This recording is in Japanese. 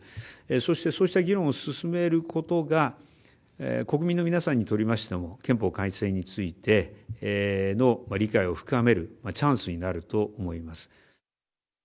そしてそうした議論を進めることが、国民の皆さんにとりましても、憲法改正についての理解を深めるチャンスになると思います。